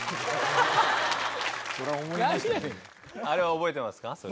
あれは覚えてますか？